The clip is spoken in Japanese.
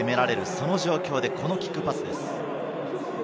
その状況で、このキックパスです。